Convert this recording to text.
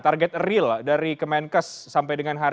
target real dari kemenkes sampai dengan hari ini